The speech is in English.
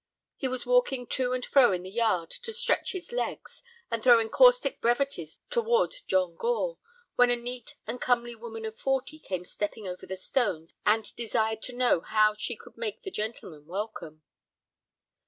He was walking to and fro in the yard to stretch his legs, and throwing caustic brevities toward John Gore, when a neat and comely woman of forty came stepping over the stones, and desired to know how she could make the gentlemen welcome.